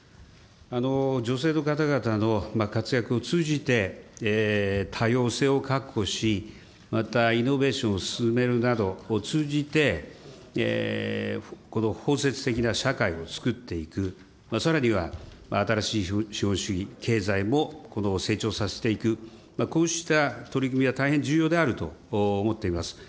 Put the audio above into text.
女性の方々の活躍を通じて、多様性を確保し、またイノベーションを進めるなどを通じて、この包摂的な社会をつくっていく、さらには新しい資本主義、経済も成長させていく、こうした取り組みは大変重要であると思っています。